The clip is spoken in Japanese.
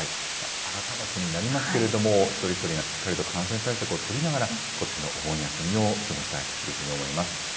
改めてになりますけれども、一人一人がしっかりと感染対策を取りながら、ことしのお盆休みを過ごしたいというふうに思います。